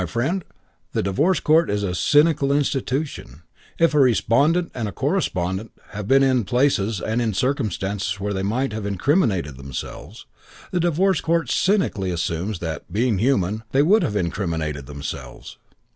My friend, the Divorce Court is a cynical institution. If a respondent and a corespondent have been in places and in circumstances where they might have incriminated themselves, the Divorce Court cynically assumes that, being human, they would have incriminated themselves.